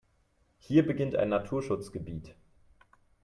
Hier beginnt ein Naturschutzgebiet.